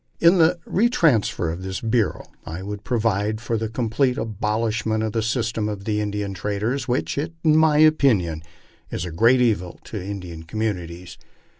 In the retransfer of this bureau, I would provide for the complete abolishment of the system of Indian traders, which, iu my opinion, is a great evil to Indian communities.